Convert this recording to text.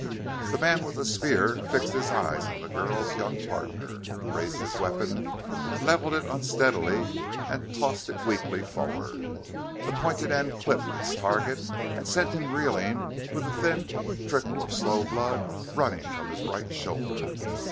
The man with the spear fixed his eyes on the girl's young partner, raised his weapon, leveled it unsteadily, and tossed it weakly forward. The pointed end clipped its target and sent him reeling, with a thin trickle of slow blood running from his right shoulder.